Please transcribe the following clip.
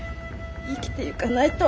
生きてゆかないと。